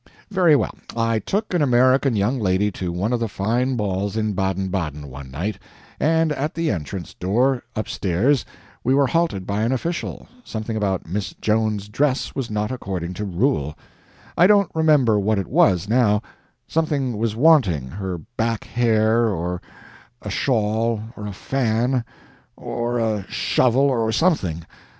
Very well, I took an American young lady to one of the fine balls in Baden Baden, one night, and at the entrance door upstairs we were halted by an official something about Miss Jones's dress was not according to rule; I don't remember what it was, now; something was wanting her back hair, or a shawl, or a fan, or a shovel, or something.